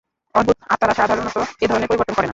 অদ্ভূত, আত্মারা সাধারণত এ ধরণের পরিবর্তন করে না।